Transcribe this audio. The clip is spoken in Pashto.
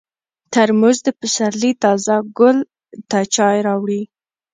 ترموز د پسرلي تازه ګل ته چای راوړي.